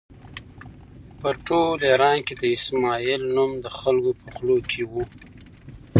په ټول ایران کې د اسماعیل نوم د خلکو په خولو کې و.